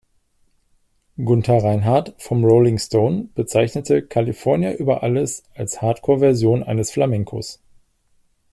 Gunther Reinhardt vom "Rolling Stone" bezeichnete "California über alles" als „Hardcore-Version eines Flamencos“.